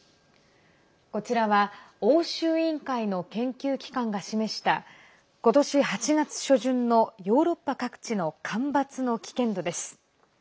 こちらは欧州委員会の研究機関が示した今年８月初旬のヨーロッパ各地の干ばつの危険度です。